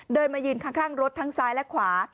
เดินมายืนข้างรถทั้งซ้ายและขวา